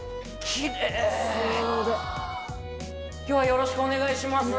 よろしくお願いします。